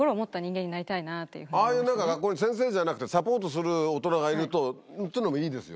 ああいう何か学校に先生じゃなくてサポートする大人がいるっていうのもいいですよね。